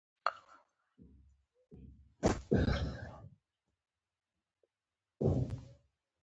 د برېټانیا د شپاړس سوه اته اتیا پرتمین انقلاب کې.